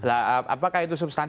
apakah itu substansi